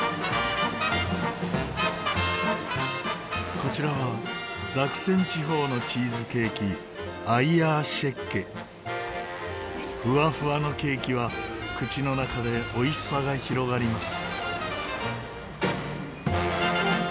こちらはザクセン地方のチーズケーキふわふわのケーキは口の中でおいしさが広がります。